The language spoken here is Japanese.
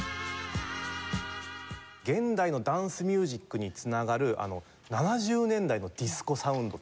現代のダンスミュージックに繋がる７０年代のディスコサウンドっていうんですか？